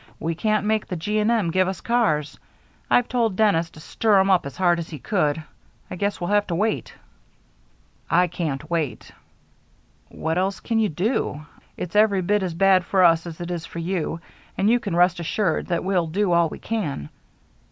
"We can't make the G. & M. give us cars. I've told Dennis to stir 'em up as hard as he could. I guess we'll have to wait." "I can't wait." "What else can you do? It's every bit as bad for us as it is for you, and you can rest assured that we'll do all we can."